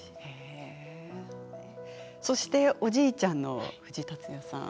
そして、おじいちゃんの藤竜也さん